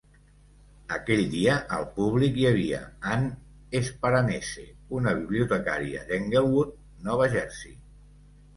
Aquell dia al públic hi havia Ann Sparanese, una bibliotecària d'Englewood, Nova Jersey.